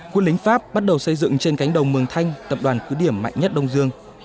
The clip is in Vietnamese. quân lính pháp bắt đầu xây dựng trên cánh đồng mường thanh tập đoàn cứ điểm mạnh nhất đông dương